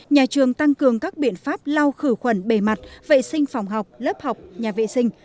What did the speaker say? nhà trường tăng cường các biện pháp lau khử khuẩn bề mặt vệ sinh phòng học lớp học nhà vệ sinh